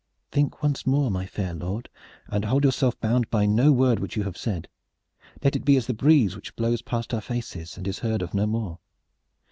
"Think once more, my fair lord, and hold yourself bound by no word which you have said. Let it be as the breeze which blows past our faces and is heard of no more.